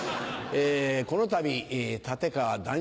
このたび立川談